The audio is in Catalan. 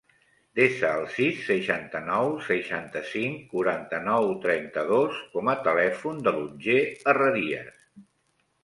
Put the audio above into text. Desa el sis, seixanta-nou, seixanta-cinc, quaranta-nou, trenta-dos com a telèfon de l'Otger Herrerias.